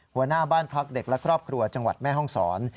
หัวหน้าบ้านพักเด็กและครอบครัวจังหวัดแม่ห้องศร